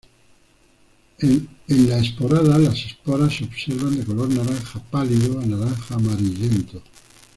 En la esporada, las esporas se observan de color naranja pálido a naranja amarillento.